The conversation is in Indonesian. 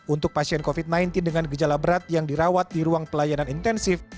untuk pasien covid sembilan belas dengan gejala berat yang dirawat di ruang pelayanan intensif